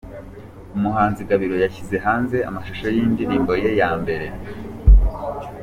Umuhanzi Gabiro yashyize hanze amashusho y’indirimbo ye ya mbere